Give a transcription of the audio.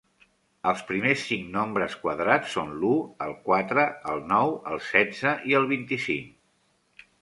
Els primers cinc nombres quadrats són l'u, el quatre, el nou, el setze i el vint-i-cinc.